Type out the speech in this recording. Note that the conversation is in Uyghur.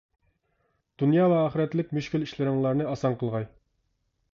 دۇنيا ۋە ئاخىرەتلىك مۈشكۈل ئىشلىرىڭلارنى ئاسان قىلغاي!